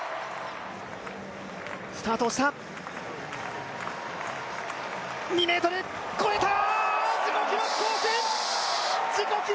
スタートをした。